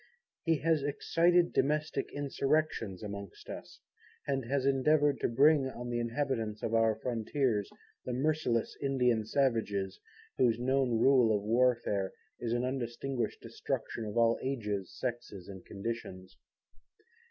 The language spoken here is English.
He has excited domestic insurrections amongst us, and has endeavoured to bring on the inhabitants of our frontiers, the merciless Indian Savages, whose known rule of warfare, is an undistinguished destruction of all ages, sexes and conditions.